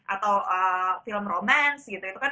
atau film romance gitu itu kan